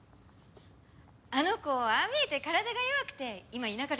あの子ああ見えて体が弱くて今田舎で療養中なのよ。